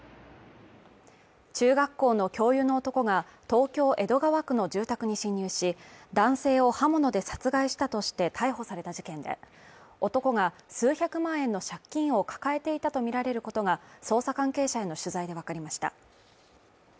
中学校の教諭の男が、東京江戸川区の住宅に侵入し、男性を刃物で殺害したとして逮捕された事件で、男が数百万円の借金を抱えていたとみられることが捜査関係者への取材でわかりました。